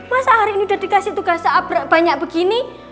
masa hari ini udah dikasih tugas seabrak banyak begini